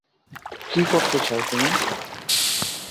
কী করতে চাও তুমি?